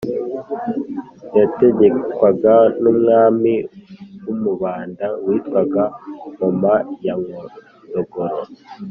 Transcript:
yategekwaga n'umwami w'umubanda witwaga nkoma ya nkondogoro,